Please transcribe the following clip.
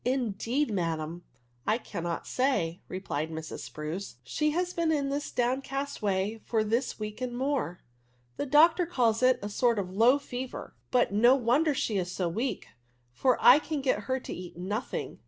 " Indeed, ma'am, I can*t say," replied Mrs. Spruce. " She has been in this down cast way for this week and more. The doctor calls it a sort of low fever ; but no wonder she is so weak, for I can get her to eat nothing.